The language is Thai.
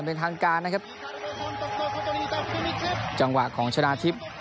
เป็นทางการนะครับจังหวะของชนะทิพย์